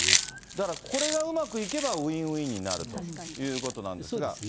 だからこれがうまくいけばウィンウィンになるということですね。